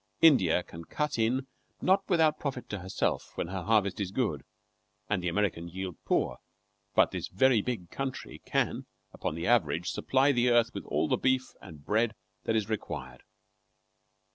India can cut in not without profit to herself when her harvest is good and the American yield poor; but this very big country can, upon the average, supply the earth with all the beef and bread that is required.